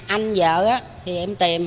anh vợ thì em tìm